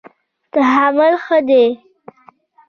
تحمل ښه دی.